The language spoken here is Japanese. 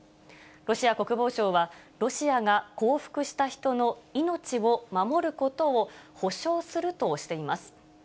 ロシア国防省は、ロシアが降伏した人の命を守ることを保証するとしています。